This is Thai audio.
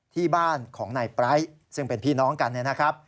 ที่บ้านของนายปร้ายซึ่งเป็นพี่น้องกันเนี่ยนะครับ